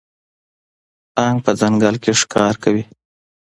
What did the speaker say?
پړانګ په ځنګل کې ښکار کوي.